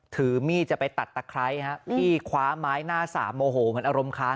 ถือมีดจะไปตัดตะไคร้ฮะพี่คว้าไม้หน้าสามโมโหมันอารมณ์ค้าง